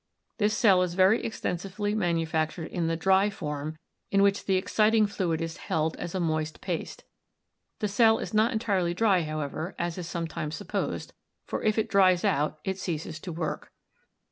This cell is very extensively manufactured in the "dry" form in which the exciting fluid is held as a moist paste. The cell is not entirely dry, however, as is sometimes supposed, for if it dries out it ceases to work.